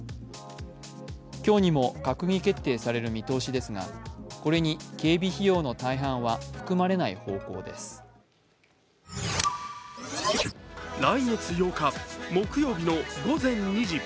今日にも閣議決定される見通しですがこれに警備費用の大半は来月８日、木曜日の午前２時。